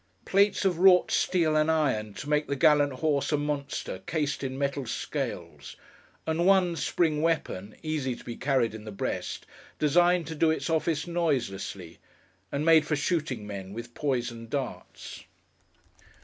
Plates of wrought steel and iron, to make the gallant horse a monster cased in metal scales; and one spring weapon (easy to be carried in the breast) designed to do its office noiselessly, and made for shooting men with poisoned darts.